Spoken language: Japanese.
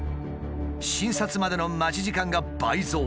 診察までの待ち時間が倍増。